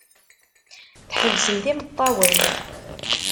Tḥebsemt imeṭṭawen.